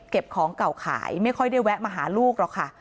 ของเก่าขายไม่ค่อยได้แวะมาหาลูกหรอกค่ะ